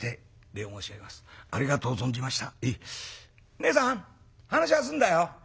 ねえさん話は済んだよ。